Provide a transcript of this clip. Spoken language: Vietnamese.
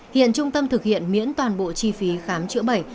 hiện trung tâm thực hiện miễn toàn bộ chi phí khám chữa bệnh